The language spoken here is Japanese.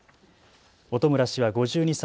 本村氏は５２歳。